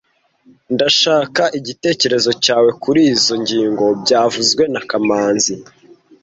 Ndashaka igitekerezo cyawe kurizoi ngingo byavuzwe na kamanzi